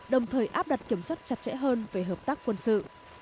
đồng thời áp đặt kiểm soát chặt chẽ hơn về hợp tác quân sự